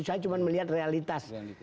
saya cuma melihat realitas